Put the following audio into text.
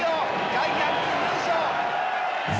ジャイアンツ優勝！